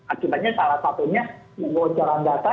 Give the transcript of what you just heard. akibatnya salah satunya kebocoran data